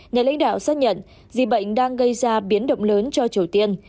nhà lãnh đạo xác nhận dịch bệnh đang gây ra biến động lớn cho triều tiên